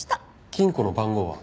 金庫の番号は？